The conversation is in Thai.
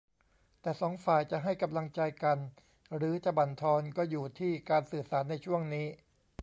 แต่สองฝ่ายจะให้กำลังใจกันหรือจะบั่นทอนก็อยู่ที่การสื่อสารในช่วงนี้